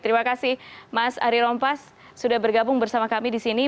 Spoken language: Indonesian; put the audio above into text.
terima kasih mas ari rompas sudah bergabung bersama kami di sini